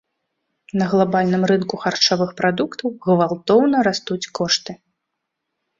На глабальным рынку харчовых прадуктаў гвалтоўна растуць кошты.